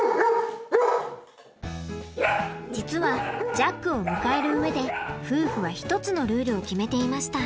実はジャックを迎える上で夫婦は一つのルールを決めていました。